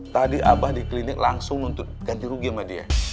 tadi abah di klinik langsung untuk ganti rugi sama dia